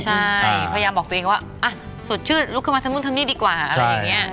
ใช่พยายามบอกตัวเองว่าสดชื่นลุกขึ้นมาทำนู่นทำนี่ดีกว่าอะไรอย่างนี้